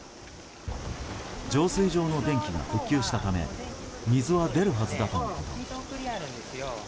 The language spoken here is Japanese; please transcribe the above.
浄水場の電気が復旧したため水は出るはずだとのこと。